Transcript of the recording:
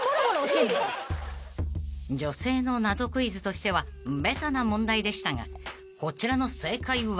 ［女性の謎クイズとしてはべたな問題でしたがこちらの正解は］